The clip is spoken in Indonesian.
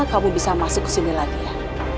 kamu bisa masuk ke sini lagi ya